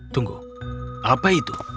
tunggu apa itu